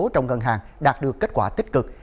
trong ngân hàng đạt được kết quả tích cực